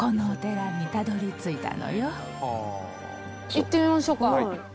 行ってみましょうか。